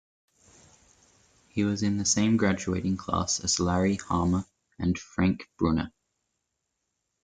He was in the same graduating class as Larry Hama and Frank Brunner.